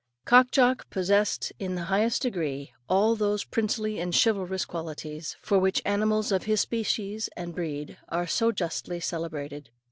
Cock Jock possessed in the highest degree, all those princely and chivalrous qualities, for which animals of his species and breed are so justly celebrated.